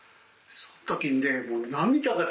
その時ね。